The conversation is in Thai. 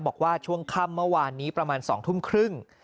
บอกว่าช่วงค่ำเมื่อวานนี้ประมาณ๒ทุ่มครึ่ง